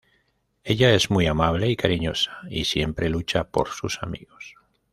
Ella es muy amable y cariñosa y siempre lucha por sus amigos.